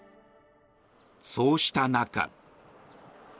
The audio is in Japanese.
そうした中。